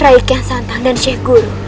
rai kian santang dan syekh guru